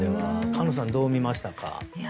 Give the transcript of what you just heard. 菅野さん、どう見ましたか？